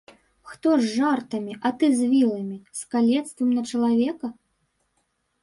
Хто з жартамі, а ты з віламі, з калецтвам на чалавека?!